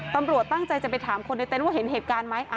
ตำรวจตั้งใจจะไปถามคนในเต็นต์ว่าเห็นเหตุการณ์ไหม